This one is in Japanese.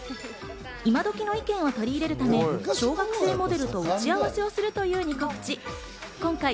イマドキの意見も取り入れるため、小学生モデルと打ち合わせをするという『ニコ☆プチ』。